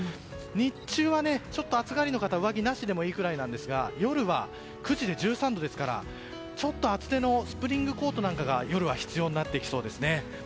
日中は暑がりの方は上着なしでいいぐらいですが夜９時で１３度ですからちょっと厚手のスプリングコートなんかが夜は必要になってきそうです。